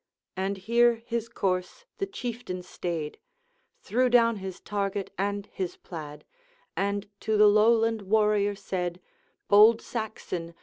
And here his course the Chieftain stayed, Threw down his target and his plaid, And to the Lowland warrior said: 'Bold Saxon!